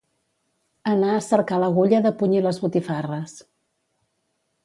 Anar a cercar l'agulla de punyir les botifarres.